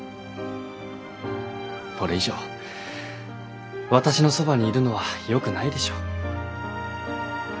これ以上私のそばにいるのは良くないでしょう。